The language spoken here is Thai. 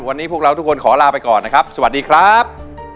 วันนี้พวกเราทุกคนขอลาไปก่อนนะครับสวัสดีครับ